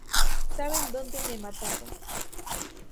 Saben dónde me mataron.